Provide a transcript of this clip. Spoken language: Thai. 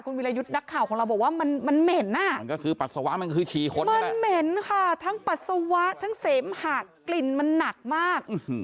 คุณวิรายุทธ์นักข่าวของเราบอกว่ามันเหม็นอ่ะมันก็คือปัสสาวะมันก็คือมันเหม็นค่ะทั้งปัสสาวะทั้งเสมหากกลิ่นมันหนักมาก